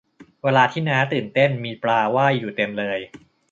เวลาที่น้าตื่นเต้นมีปลาว่ายอยู่เต็มเลย